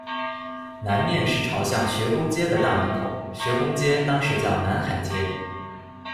南面是朝向学宫街的大门口，学宫街当时叫南海街。